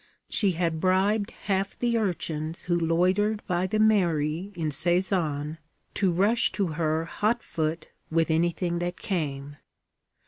She had bribed half the urchins who loitered by the mairie in Sézanne to rush to her hot foot with anything that came.